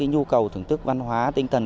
nhu cầu thưởng thức văn hóa tinh tần